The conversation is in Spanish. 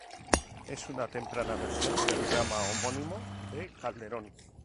Es una temprana versión del drama homónimo de Calderón.